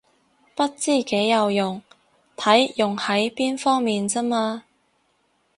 不知幾有用，睇用喺邊方面咋嘛